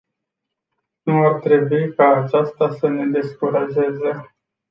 Nu ar trebui ca aceasta să ne descurajeze.